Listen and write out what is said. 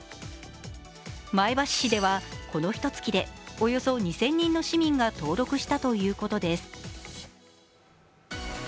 前橋市では、このひとつきでおよそ２０００人の市民が登録したということです。